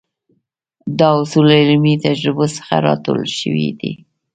دا اصول له عملي تجربو څخه را ټول شوي دي.